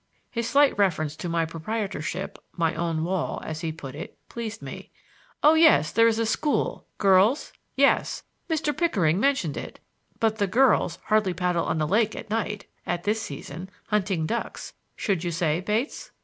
His slight reference to my proprietorship, my own wall, as he put it, pleased me. "Oh, yes; there is a school—girls?—yes; Mr. Pickering mentioned it. But the girls hardly paddle on the lake at night, at this season—hunting ducks—should you say, Bates?"